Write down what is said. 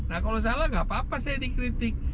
nah kalau salah nggak apa apa saya dikritik